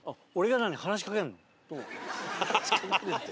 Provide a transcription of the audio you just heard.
「話しかける」って。